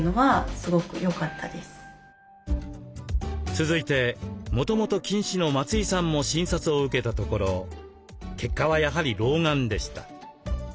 続いてもともと近視の松井さんも診察を受けたところ結果はやはり老眼でした。